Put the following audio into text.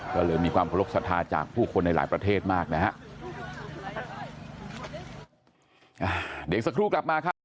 ก็เลยมีความเคารพสัทธาจากผู้คนในหลายประเทศมากนะฮะ